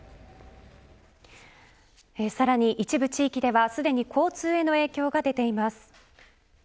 さらに一部地域ではすでに交通への影響が出ています。